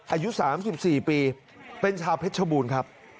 อายุ๓๔ปีเป็นชาวเพชรชบูรณ์ครับ